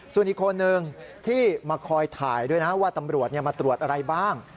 ส่วนอีกคนนึงที่มาคอยถ่ายด้วยนะว่าตำรวจมาตรวจอะไรบ้าง